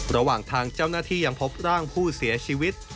ระหว่างทางเจ้าหน้าที่ยังพบร่างผู้เสียชีวิต